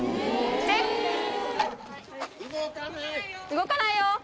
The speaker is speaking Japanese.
動かない！